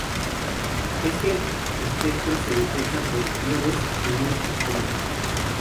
Este espectro se detecta por diodos en un espectrómetro.